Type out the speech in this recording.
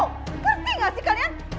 ngerti gak sih kalian